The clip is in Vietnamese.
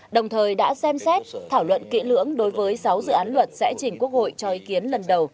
đồng thời đã xem xét thảo luận kỹ lưỡng đối với sáu dự án luật sẽ chỉnh quốc hội cho ý kiến lần đầu